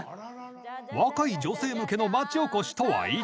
若い女性向けの町おこしとは一体？